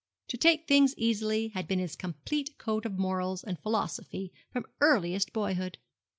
To take things easily had been his complete code of morals and philosophy from earliest boyhood.